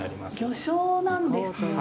魚醤なんですね？